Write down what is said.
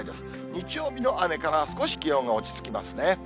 日曜日の雨から少し気温が落ち着きますね。